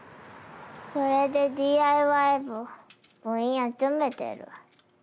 それでＤＩＹ部部員集めてる。